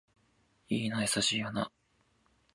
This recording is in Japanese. いいな優しい花